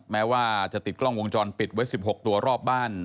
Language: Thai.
แม้ว่าจะติดกล้องวงจรปิดไว้๑๖ตัวรอบบ้าน